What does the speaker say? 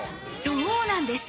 そうなんです！